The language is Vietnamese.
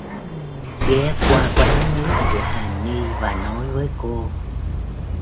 Ghé qua quán nước của Hà Ni và nói với cô